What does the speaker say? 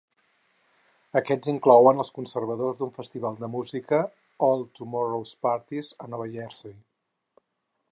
Aquest inclouen els conservadors d'un festival de música d'All Tomorrow's Parties a Nova Jersey.